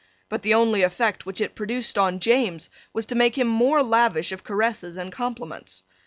But the only effect which it produced on James was to make him more lavish of caresses and compliments.